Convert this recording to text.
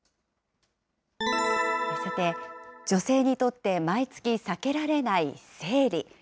さて、女性にとって毎月避けられない生理。